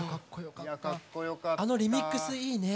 あのリミックスいいね。